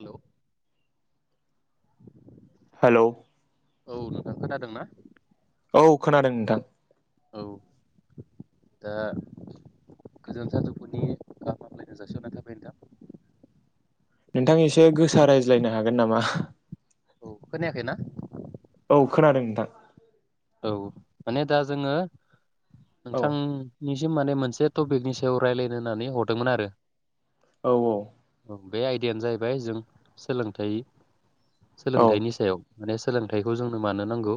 Hello hello औ नोंथां खोनादों ना औ खोनादों नोंथां औ दा गोजोन सानजौफुनि गाहाम हामलायनाय जासि हरनाय थाबाय नोंथां। नोंथां एसे गोसा रायज्लायनो हागोन नामा? औ खोनायाखै ना औ खोनादों नोंथां औ माने दा जोङो औ नोंथांनि सिम माने मोनसे टपिकनि सायाव रायलायनो होननानै हरदोंमोन आरो औ औ औ बे आयदायानो जाहैबाय जों सोलोंथाइ औ सोलोंथाइनि सायाव माने सोलोंथाइखौ जोंनो मानो नांगौ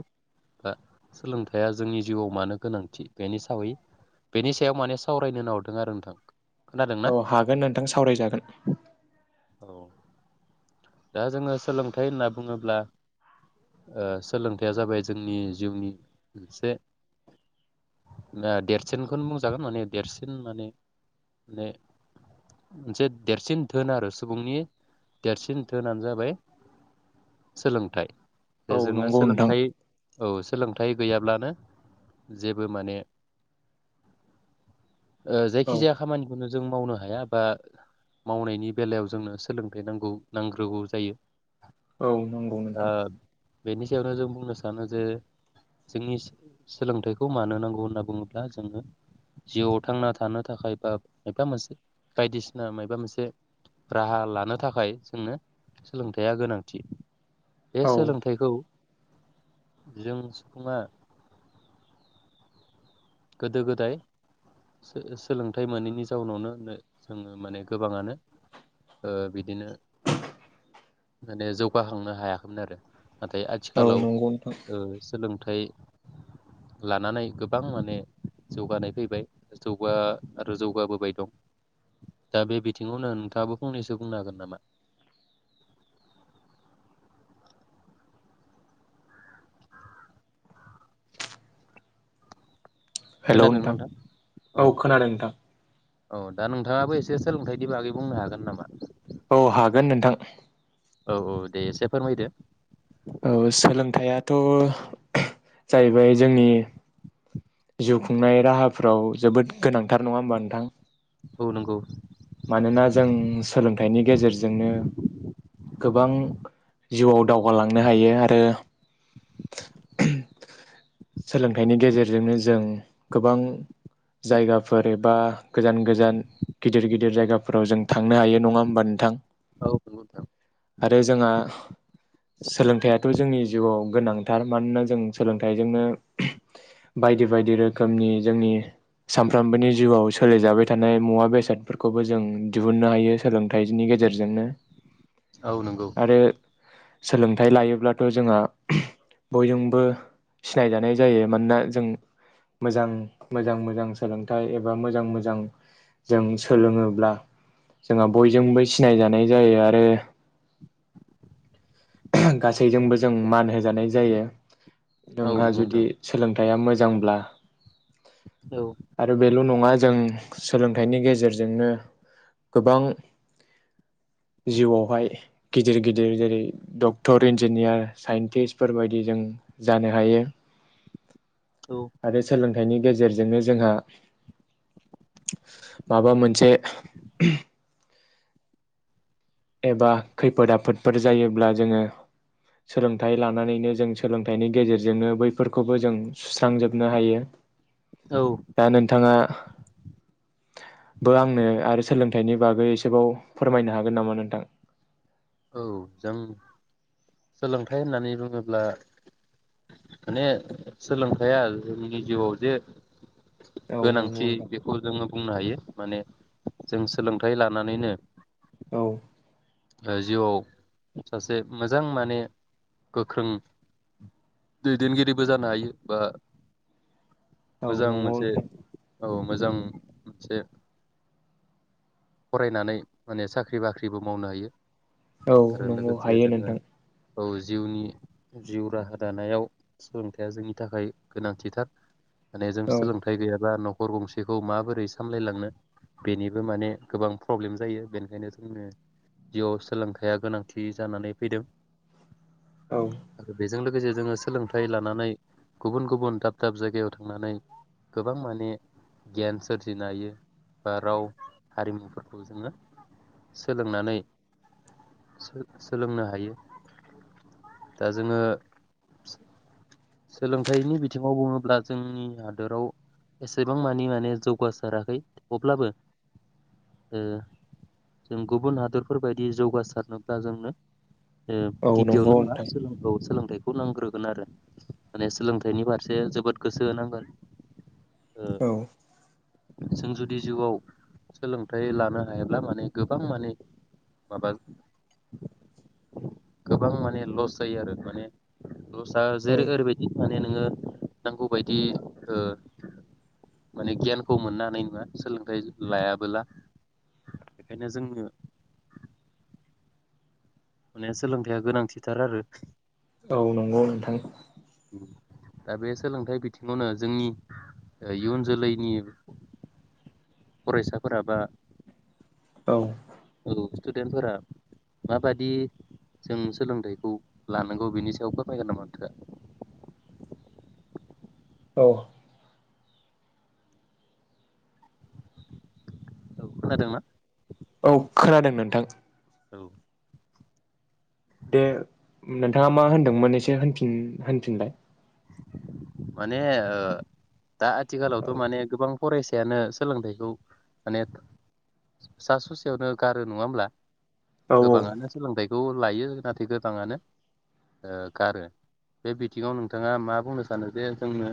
बा सोलोंथाया जोंनि जिउआव मानो गोनांथि बेनि सावै बेनि सायाव माने सावरायनो होनना हरदों आरो नोंथां खोनादोंना? औ हागोन नोंथां सावरायजागोन औ दा जोङो सोलोंथाइ होनना बुङोब्ला ओ सोलोंथाइया जाबाय जोंनि जिउनि मोनसे ओ देरसिनखौनो बुंजागोन माने देरसिन माने माने मोनसे देरसिन धोन आरो सुबुंनि देरसिन धोनानो जाबाय सोलोंथाइ। दे औ जोङो नंगौ नोंथां सोलोंथाइ औ सोलोंथाइ गैयाब्लानो जेबो माने ओ औ जायखिजाया खामानि नो जों मावनो हाया बा मावनायनि बेलायाव जोंनो सोलोंथाइ नांगौ नांग्रोगौ जायो औ नंगौ ओ नोंथां बेनि सायावनो जों बुंनो सानो जे जोंनि सोलोंथाइखौ मानो नांगौ होनना बुङोब्ला जोङो जिउआव थांना थानो थाखाय बा मबा मोनसे बायदिसिना माबा मोनसे राहा लानो थाखाय जोंनो सोलोंथाइया गोनांथि बे औ सोलोंथाइखौ जों सुबुङा गोदो गोदाय सो-सोलोंथाइ मोनैनि जाउनावनो नो जोङो माने गोबाङानो ओ बिदिनो माने जौगाखांनो हायाखैमोन आरो नाथाय औ आथिखालाव ओ नंगौ नोंथां सोलोंथाइ लानानै गोबां माने जौगानाय फैबाय जौगा आरो जौगाबोबाय दं दा बे बिथिङावनो नोंथाङाबो फंनैसो बुंनो हागोन नामा? हेलौ नोंथां औ खोनादों नोंथां औ दा नोंथाङाबो एसे सोलोंथाइनि बागै बुंनो हागोन नामा औ हागोन नोंथां औ औ दे एसे फोरमायदो औ सोलोंथाइयाथ जाहैबाय जोंनि जिउ खुंनाय राहाफ्राव जोबोद गोनांथार नङा होमबा नोंथां औ नंगौ मानोना जों सोलोंथाइनि गेजेरजोंनो गोबां जिउआव दावगालांनो हायो आरो सोलोंथाइनि गेजेरजोंनो जों गोबां जायगाफोर एबा गोजान गोजान गिदिर गिदिर जायगाफोराव जों थांनो हायो नङा होमबा नोंथां औ नंगौ नोंथां आरो जोंहा सोलोंथाइयाथ' जोंनि जिआव गोनांथार मानोना जों सोलोंथाइजोंनो बायदि बायदि रोखोमनि जोंनि सानफ्रामबोनि जिउआव सोलिजाबाय थानाय मुवा बेसादफोरखौबो जों दिहुननो हायो सोलोंथाइनि गेजेरजोंनो। औ नंगौ आरो सोलोंथाइ लायोब्लाथ जोंहा बयजोंबो सिनायजानाय जायो मानोना जों मोजां मोजां मोजां सोलोंथाइ एबा मोजां मोजां जों सोलोङोब्ला जोंहा बयजोंबो सिनायजानाय जायो आरो गासैजोंबो जों मान हो जायो औ नोंहा नंगौ जुदि नोंथां सोलोंथाइया मोजां होमब्ला औ आरो बेल नंङा जों सोलोंथाइनि गेजेरजोंनो गोबां जिउआवहाय गिदिर गिदिर जेरै डक्टर इन्जिनियार साइन्टिस् बेफोरबायदि जों जानो हायो औ आरो सोलों मनि गेजेरजोंनो जोंहा माबा मोनसे [unintelligible] एबा खैफोद आफोदफोर जायोब्ला जोंङो सोलोंथाइ लानानैनो जों सोलोंथाइनि गेजेरजोंनो बैफोरखौबो जों सुस्रांजोबनो हायो। औ दा नोंथाङा बो आंनो आरो सोलोंथाइनि बागै एसेबाव फोरमायनो हागोन नामा नों [inaudible] औ जों सोलोंथाइ होननानै बुंङोब्ला माने सोलोंथया जोंनि जिउआव जे औ नंगौ गोनांथि नोंथां बेखौ जोंङो बुंनो हायो माने जों सोलोंथाइ लानानैनो औ जिउआव सासे मोजां माने गोख्रों दैदेनगिरिबो जानो हायो बा औ मोजां नंगौ मोनसे नोंथां औ मोजां मोनसे फरायनानै माने साख्रि बाख्रिबो मावनो हायो औ आरो नंगौ लोगोसे हायो जोङो नोंथां औ जिउनि जिउ राहा दानायाव सोलोंथाइया जोंनि थाखाय गोनांथिथार माने जों औ सोलोंथाइ गैयाबा न गर गंसेखौ माबोरै सामलायलांनो बेनिबो माने गोबां प्रब्लेम जायो बेनिखायनो जोंनो जिउआव सोलोंथायाइया गोनांथि जानानै फैदों औ आरो बेजों गेजेरजोंनो सोलोंथाइ लानानै गुबुन गुबुन दाब दाब जायगायाव थांनानै गोबां माने गियान सोरजिनो हायो बा राव हारिमुफोरखौ जोङो सोलोंनानै सोलोंनो हायो दा जोङो सोलोंथाइनि बिथिंङाव बुङोब्ला जोंनि हादोराव एसेबां मानि माने जौगासाराखै अब्लाबो जों गुबुन हादरफोरबायायदि जौगासारनोब्ला जोंनो औ नंगौ गिबियावनो होनबा नोंथां सोलों औ सोलों सोलोंथाइखौ नांग्रोगोन आरो माने सोलोंथाइनि फारसे जोबोद गोसो होनांगोन ओ औऔ जों जुदि जिउआव सोलोंथाइ लानो हायाब्ला माने गोबां माने माबा गोबां माने लस जायो आरो माने दस्रा औ जेरै ओरैबायदि माने नोङो नांगौबायदि ओ माने गियानखौ मोननो हानाय नङा सोलोंथाइ लायाब बोला बेखायनो जोंनो माने सोलोंथाइया गोनांथिथार आरो। औ नंगौ नोंथां। दा बे सोलोंथाइ बिथिङावनो जोंनि इयुन जोलैनि फरायसाफोरा बा औ। औ स्टुडेन्टफोरा माबादि जों सोलोंथाइखौ लानांगौ बेनि सायाव फोरमायगोन नामा नोंथाङा? औ। औ खोनादोंना? औ खोनादों नोंथां। औ दे नोंथाङा मा होनदोंमोन एसे होनफिन होनफिनलाय। माने ओ दा आथिखालावथ' औ माने गोबां फरायसायानो सोलोंथाइखौ माने सा स'सेयावनो गारो नङा होमब्ला? औ गोबाङानो सोलोंथाइखौ लायो नाथाय गोबाङानो गारो। बे बिथिङाव नोंथाङा मा बुंनो सानो जे जोंनो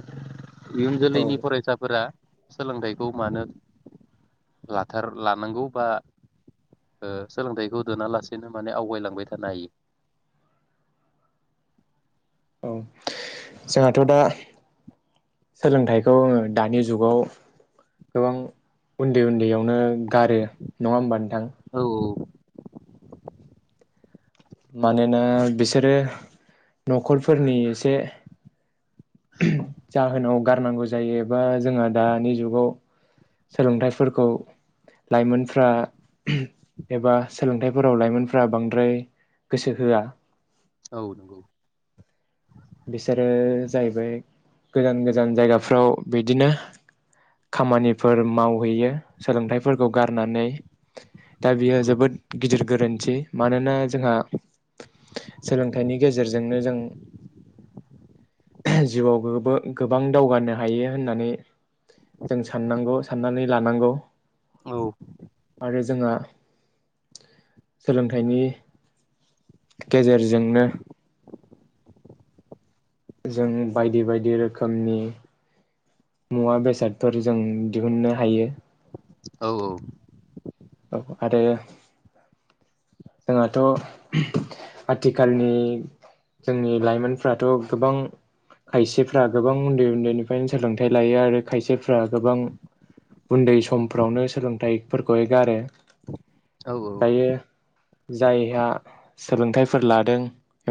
इयुन औ जोलैनि फरायसाफोरा सोलोंथाइखौ मानो लाथार लानांगौ बा ओ सोलोंथाइखौ दोनालासेनो माने आवगायलांबाय थानो हायो? औ जोंहाथ' दा सोलोंथाइखौङो दानि जुगाव गोबां उन्दै उन्दैयावनो गारो नङा होमबा नोंथां? औ मानोना बिसोरो न'खरफोरनि एसे जाहोनाव गारनांगौ जायो बा जोंहा दानि जुगाव सोलोंथाइफोरखौ लाइमोनफ्रा एबा सोलोंथाइफोराव लाइमोनफ्रा बांद्राय गोसो होआ औ नंगौ। बिसोरो जाहैबाय गोजान गोजान जायगाफ्राव बिदिनो खामानिफोर मावहैयो सोलोंथाइफोरखौ गारनानै दा बियो औ जोबोद गिदिर गोरोन्थि मानोना जोंहा सोलोंथाइनि गेजेरजोंनो जों जिउआव बो गोबां दावगानो हायो होननानै जों साननांगौ साननानै लानांगौ। औ आरो जोंहा सोलोंथाइनि गेजेरजोंनो जों बायदि बायदि रोखोमनि मुवा बेसादफोर जों दिहुननो हायो। औ औ। आरो जोंहाथ' आथिखालनि जोंनि लाइमोनफ्राथ' गोबां खायसेफ्रा गोबां उन्दै उन्दैनिफ्रायनो सोलोंथाइ लायो आरो खायसेफ्रा गोबां उन्दै समफ्रावनो सोलोंथाइफोरखौहाय गारो। औ औ। दायो जायहा सोलोंथाइफोर लादों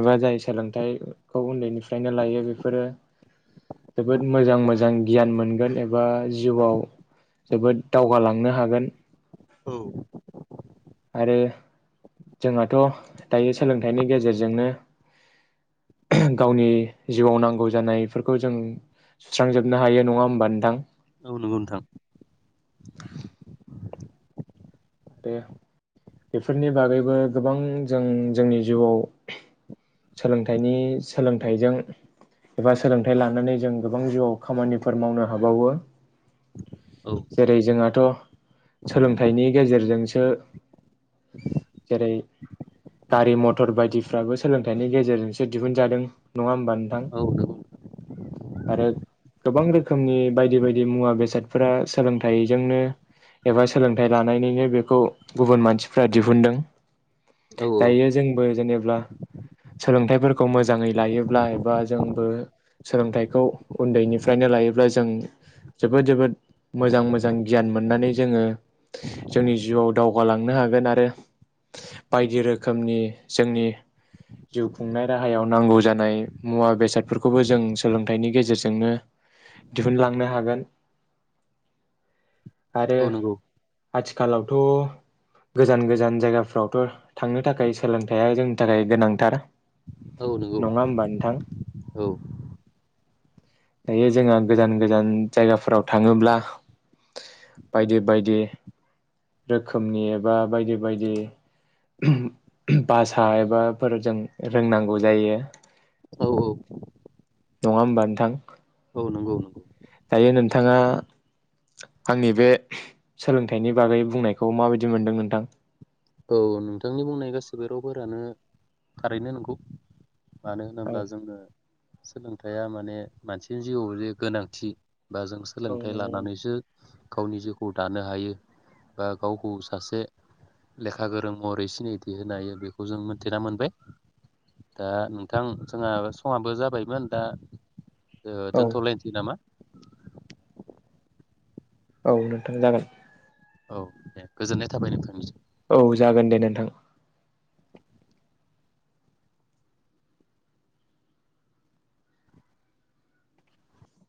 एबा जाय सोलोंथाइखौ उन्दैनिफ्रायनो लायो बेफोरो जोबोद मोजां मोजां गियान मोनगोन एबा जिउआव जोबोद दावगालांनो हागोन। औ आरो जोंहाथ' दायो सोलोंथाइनि गेजेरजोंनो गावनि जिउआव नांगौ जानायफोरखौ जों सुस्रांजोबनो हायो नङा होमबा नोंथां? औ नंगौ नोंथां। आरो बेफोरनि बागैबो गोबां जों जोंनि जिउआव सोलोंथाइनि सोलोंथाइजों एबा सोलोंथाइ लानानै जों गोबां जिउआव खामानिफोर मावनो हाबावो। औ जेरै जोंहाथ' सोलोंथाइनि गेजेरजोंसो जेरै गारि मटर बायदिफ्राबो सोलोंथायनि गेजेरजोंसो दिहुनजादों नंआ होनबा नोंथां? औ नंगौ आरो गोबां रोखोमनि बायदि बायदि मुवा बेसादफोरा सोलोंथाइजोंनो एबा सोलोंथाय लानायनिनो बेखौ गुबुन मानसिफ्रा दिहुनदों। औ दायो जोंबो जेनेब्ला सोलोंथाइफोरखौ मोजाङै लायोब्ला एबा जोंबो सोलोंथाइखौ उन्दैनिफ्रायनो लायोब्ला जों जोबोद जोबोद मोजां मोजां गियान मोननानै जोङो जोंनि जिउआव दावगालांनो हागोन आरो बायदि रोखोमनि जोंनि जिउ खुंनाय राहायाव नांगौ जानाय मुवा बेसादफोरखौबो जों सोलोंथाइनि गेजेरजोंनो दिहुनलांनो हागोन आरो औ नंगौ। आथिखालावथ' गोजान गोजान जायगाफ्रावथ' थांनो थाखाय सोलोंथाइया जोंनि थाखाय गोनांथार। औ नंगौ नङा होमबा नोंथां औ। दायो जोंहा गोजान गोजान जायगाफोराव थाङोब्ला बायदि बायदि रोखोमनि एबा बायदि बायदि भासा एबाफोरजों रोंनांगौ जायो औ नङा होमबा नोंथां? औ नंगौ नंगौ दायो नोंथाङा आंनि बे सोलोंथाइनि बागै बुंनायखौ माबायदि मोनदों नोंथां? औ नोंथांनि बुंनाय गासिबो रावफोरानो थारैनो नंगौ। मानो औ होनोब्ला जोंङो सोलोंथाइया माने मानसिनि जिउआव जे गोनांथि बा जों औ सोलोंथाइ नंगौ लानानैसो गावनि जिउखौ दानो हायो बा गावखौ सासे लेखा गोरों महरै सिनायथि होनो हायो बेखौ जों मोनथिना मोनबाय दा नोंथां जोंहा समाबो जाबायमोन दा ओ औ दोनथ'लायनोसै नामा? औ नोंथां जागोन। औ दे गोजोन्नाय थाबाय नोंथांनिसम। औ जागोन दे नोंथां।